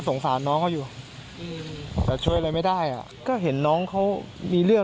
สงสารน้องเขาอยู่แต่ช่วยอะไรไม่ได้อ่ะก็เห็นน้องเขามีเรื่อง